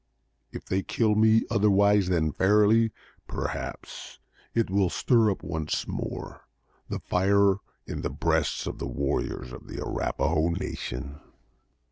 If they kill me otherwise than fairly, perhaps it will stir up once more the fire in the breast of the warriors of the Arrapahoe nation."